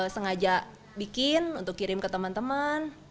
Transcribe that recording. sengaja bikin untuk kirim ke teman teman